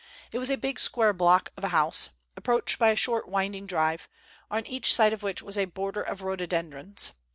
It was a big square block of a house, approached by a short winding drive, on each side of which was a border of rhododendrons.